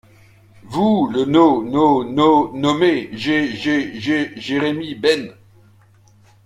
Vooous le no, no, no, nommez Jé, Jé, Jé, Jérémie Ben...